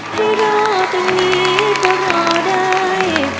ที่รอตรงนี้ก็พอได้